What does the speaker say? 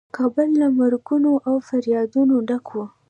کابل له مرګونو او فریادونو ډک و.